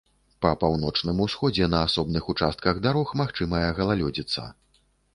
Па паўночным усходзе на асобных участках дарог магчымая галалёдзіца.